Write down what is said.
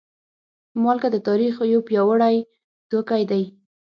مالګه د تاریخ یو پیاوړی توکی دی.